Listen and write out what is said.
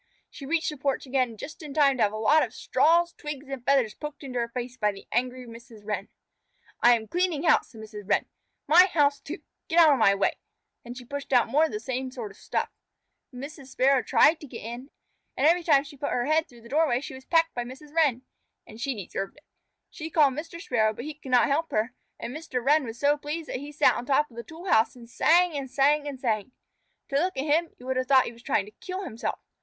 She reached the porch again just in time to have a lot of straws, twigs, and feathers poked into her face by the angry Mrs. Wren. "I am cleaning house," said Mrs. Wren. "My house, too! Get out of my way!" Then she pushed out more of the same sort of stuff. Mrs. Sparrow tried to get in, and every time she put her head through the doorway she was pecked by Mrs. Wren. And she deserved it. She called Mr. Sparrow, but he could not help her, and Mr. Wren was so pleased that he sat on top of the tool house and sang and sang and sang. To look at him you would have thought he was trying to kill himself.